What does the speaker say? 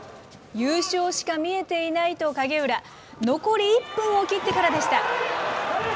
優勝しか見えていないと影浦、残り１分を切ってからでした。